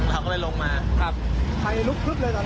เขาก็เลยลงมาครับเลยตอนนั้นไฟมันลึก